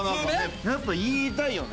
やっぱ言いたいよね。